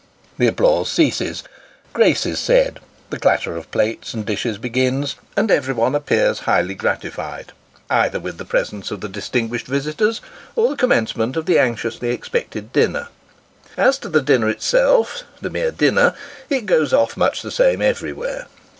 The applause ceases, grace is said, the clatter of plates and dishes begins ; and every one appears highly gratified, either with the presence of the distinguished visitors, or the commencement of the anxiously expected dinner. As to the dinner itself the mere dinner it goes off much the same everywhere.